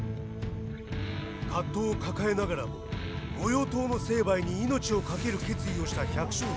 葛藤を抱えながらも御用盗の成敗に命をかける決意をした百姓たち。